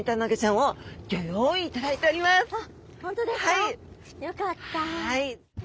はい。